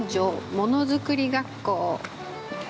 ものづくり学校。